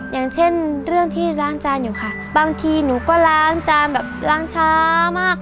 อย่างเช่นเรื่องที่ล้างจานอยู่ค่ะบางทีหนูก็ล้างจานแบบล้างช้ามาก